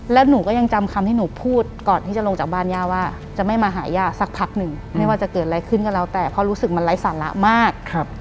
แล้วหนูก็ยังจำคำที่หนูพูดก่อนที่จะลงจากบ้านย่าว่าจะไม่มาหาย่าสักพักหนึ่งไม่ว่าจะเกิดอะไรขึ้นก็แล้วแต่เพราะรู้สึกมันไร้สาระมาก